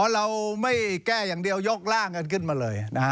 เราไม่แก้อย่างเดียวยกร่างกันขึ้นมาเลยนะฮะ